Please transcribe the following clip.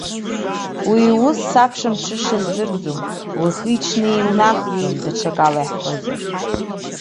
Уи иус сабша-мҽыша аздырӡом, уахи-ҽни еилнахӡом, даҽакала иаҳҳәозар.